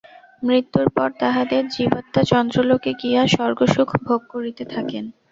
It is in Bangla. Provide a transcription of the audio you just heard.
মৃত্যুর পর তাঁহাদের জীবাত্মা চন্দ্রলোকে গিয়া স্বর্গসুখ ভোগ করিতে থাকেন।